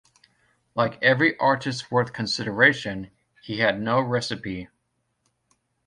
Like every artist worth consideration, he had no recipe.